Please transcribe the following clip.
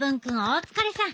お疲れさん！